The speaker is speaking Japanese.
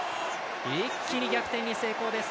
一気に逆転に成功です。